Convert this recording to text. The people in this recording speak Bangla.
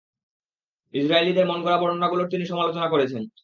ইসরাঈলীদের মনগড়া বর্ণনাগুলোর তিনি সমালোচনা করেছেন।